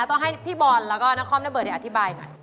ต้องให้พี่บอลและน้องคล่อมนักเบิร์ชอธิบายก่อน